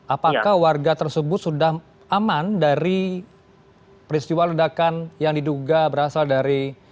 apakah warga tersebut sudah aman dari peristiwa ledakan yang diduga berasal dari